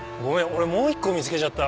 俺もう１個見つけちゃった。